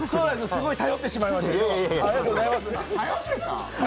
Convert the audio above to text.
すごい頼ってしまいました。